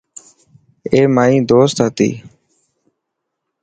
اي مائي دوست هتي.